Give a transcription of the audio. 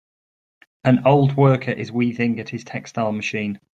An old worker is weaving at his textile machine.